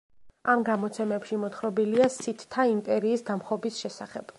ამ გამოცემებში მოთხრობილია სითთა იმპერიის დამხობის შესახებ.